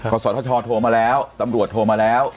ศทชโทรมาแล้วตำรวจโทรมาแล้ว